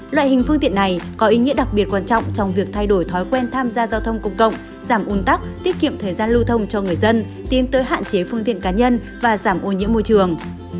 loại hình phương tiện này có ý nghĩa đặc biệt quan trọng trong việc thay đổi thói quen tham gia giao thông công cộng giảm un tắc tiết kiệm thời gian lưu thông cho người dân tiến tới hạn chế phương tiện cá nhân và giảm ô nhiễm môi trường